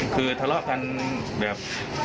คือทะเลาะกันแบบ